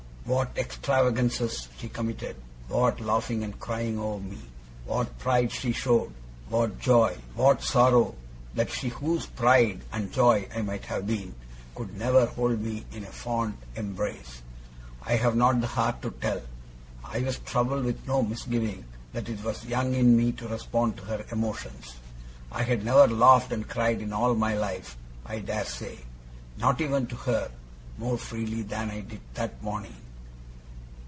What extravagances she committed; what laughing and crying over me; what pride she showed, what joy, what sorrow that she whose pride and joy I might have been, could never hold me in a fond embrace; I have not the heart to tell. I was troubled with no misgiving that it was young in me to respond to her emotions. I had never laughed and cried in all my life, I dare say not even to her more freely than I did that morning.